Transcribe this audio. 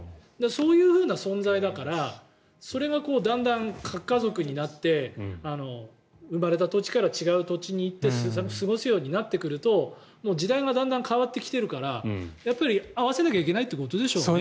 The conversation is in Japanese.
そういうふうな存在だからそれがだんだん核家族になって生まれた土地から違う土地に行って過ごすようになってくると時代がだんだん変わってきているから合わせなきゃいけないっていうことでしょうね。